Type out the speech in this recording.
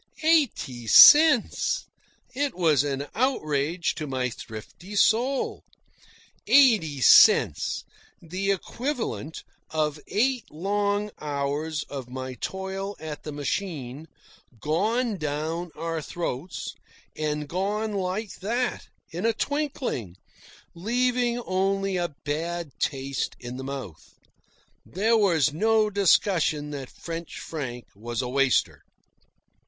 EIGHTY CENTS! It was an outrage to my thrifty soul. Eighty cents the equivalent of eight long hours of my toil at the machine, gone down our throats, and gone like that, in a twinkling, leaving only a bad taste in the mouth. There was no discussion that French Frank was a waster.